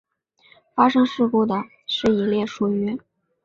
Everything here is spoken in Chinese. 发生事故的是一列属于。